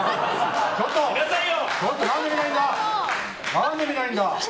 何で見ないんだ！